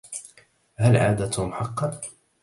هل عاد توم حقا؟